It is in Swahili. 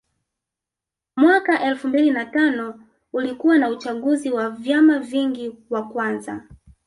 Mwaka elfu mbili na tano ulikuwa na uchaguzi wa vyama vingi wa kwanza